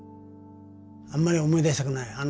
あんまり思い出したくない